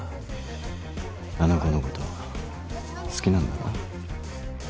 あの子のこと好きなんだろ？